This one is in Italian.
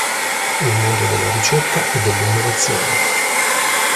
Il mondo della ricerca e dell'innovazione.